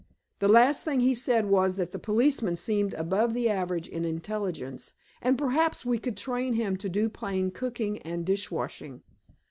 The last thing he said was that the policeman seemed above the average in intelligence, and perhaps we could train him to do plain cooking and dishwashing.